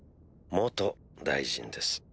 大臣です。